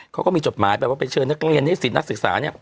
เขาก็มีจดหมายแบบว่าไปเชิญนักเรียนนิสิตนักศึกษาเนี่ย